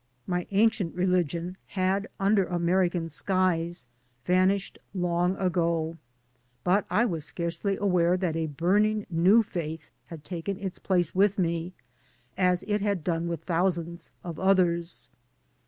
My ancient religion had, under 152 THE SOUL OF THE GHETTO American skies, vanished long ago; but I was scarcely aware that a burning new faith had taken its place with me, as it had done with thousands of others.